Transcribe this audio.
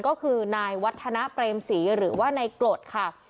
ก็คือนายวัฒนาเปรมศรีหรือว่านายกรดค่ะ